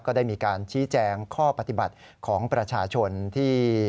ก็ได้มีการชี้แจงข้อปฏิบัติของประชาชนที่